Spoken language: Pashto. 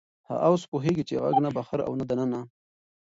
هغه اوس پوهېږي چې غږ نه بهر و او نه دننه.